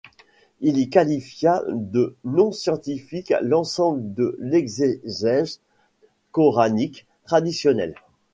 Il y qualifia de non-scientifique l'ensemble de l'exégèse coranique traditionnelle.